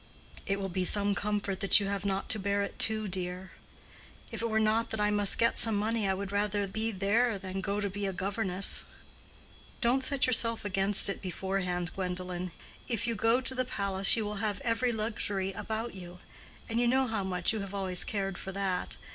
"It will be some comfort that you have not to bear it too, dear." "If it were not that I must get some money, I would rather be there than go to be a governess." "Don't set yourself against it beforehand, Gwendolen. If you go to the palace you will have every luxury about you. And you know how much you have always cared for that.